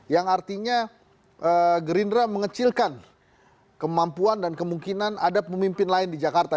yang artinya gerindra mengecilkan kemampuan dan kemungkinan ada pemimpin lain di jakarta